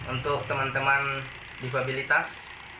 untuk teman teman difabilitas